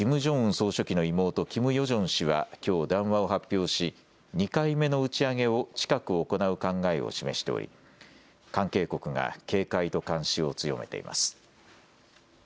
総書記の妹、キム・ヨジョン氏はきょう談話を発表し２回目の打ち上げを近く行う考えを示しており関係国が警戒と監視を強めています。